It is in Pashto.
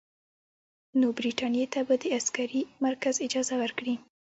نو برټانیې ته به د عسکري مرکز اجازه ورکړي.